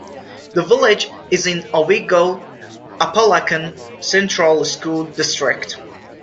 The village is in the Owego-Apalachin Central School District.